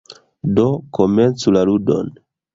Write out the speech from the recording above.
Do, komencu la ludon!